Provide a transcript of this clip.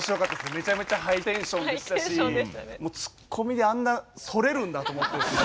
めちゃめちゃハイテンションでしたしツッコミであんな反れるんだと思って。